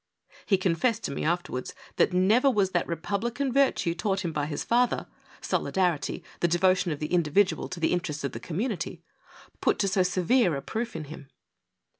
He confessed to me afterwards that never was that republican virtue taught him by his father — solidarity, the devotion of the individual to the interests of the community — put to so severe a proof in him.